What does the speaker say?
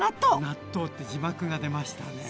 納豆って字幕が出ましたね。